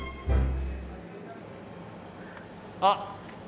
あっ！